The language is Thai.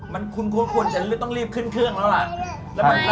มันคุณควรจะต้องรีบขึ้นเครื่องแล้วล่ะ